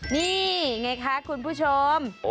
นี่ไงคะคุณผู้ชม